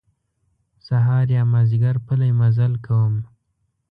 سهار یا مازیګر پلی مزل کوم.